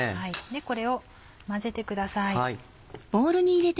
これを混ぜてください。